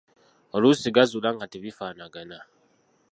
Oluusi gazuula nga tebifaanagana.